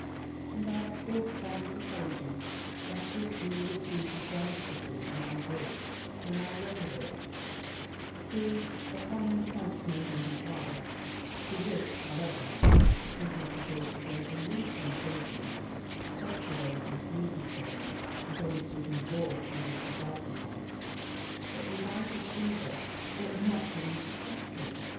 And I have thought upon this occasion better of Julius Caesar's delicacy than I did, when I read of it; who, upon an attempt made on his wife, to which, however, it does not appear she gave the least encouragement, said to those who pleaded for her against the divorce he was resolved upon, that the wife of Caesar ought not to be suspected.